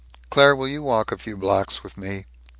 Claire, will you walk a few blocks with me?"